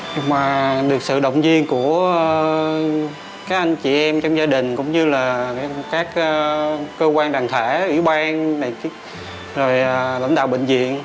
nhưng mà được sự động viên của các anh chị em trong gia đình cũng như là các cơ quan đảng thể ủy ban này rồi lãnh đạo bệnh viện